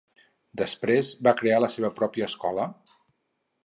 Després va crear la seva pròpia escola?